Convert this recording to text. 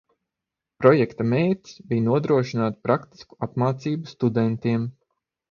Projekta mērķis bija nodrošināt praktisku apmācību studentiem.